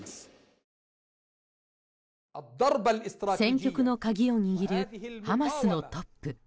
戦局の鍵を握るハマスのトップ。